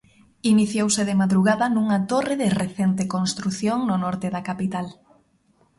Iniciouse de madrugada nunha torre de recente construción no norte da capital.